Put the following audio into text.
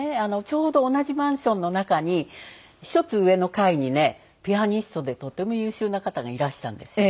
ちょうど同じマンションの中に１つ上の階にねピアニストでとても優秀な方がいらしたんですよ。